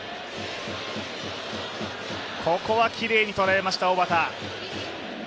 ここはきれいに捉えました、小幡。